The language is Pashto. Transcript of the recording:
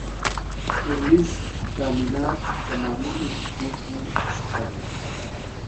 ټولیز تامینات د مامور له حقوقو څخه دي.